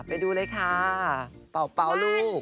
ไปดูเลยค่ะเป๋าเป๋าลูก